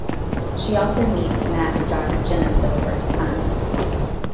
She also meets Matt's daughter, Jenna, for the first time.